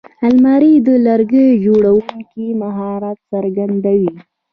الماري د لرګیو جوړوونکي مهارت څرګندوي